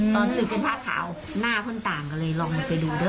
ตอนศึกเป็นพระขาวหน้าคนต่างใกล้ลองไปดูเดิ้ง